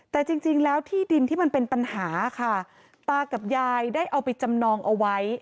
แต่จริงแล้วที่ดินที่มันเป็นปัญหาค่ะตากับยายได้เอาไปจำนองเอาไว้